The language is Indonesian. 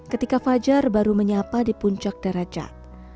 ketika fajar baru menyapa di puncak derajat